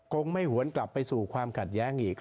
คงไม่หวนกลับไปสู่ความขัดแย้งอีก